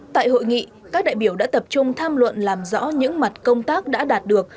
tại hội nghị các đại biểu đã tập trung tham luận làm rõ những mặt công tác đã đạt được